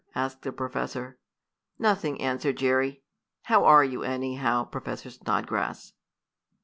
asked the professor. "Nothing," answered Jerry. "How are you, anyhow, Professor Snodgrass?"